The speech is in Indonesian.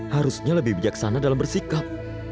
harusnya lebih bijaksana dalam bersikap